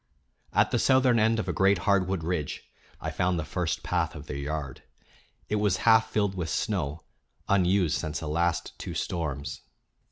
At the southern end of a great hardwood ridge I found the first path of their yard. It was half filled with snow, unused since the last two storms.